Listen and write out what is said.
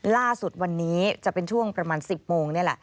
ล่าสุดวันนี้จะเป็นช่วงประมาณ๑๐โมงนี่แหละ